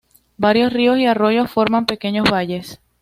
Varios ríos y arroyos forman pequeños valles.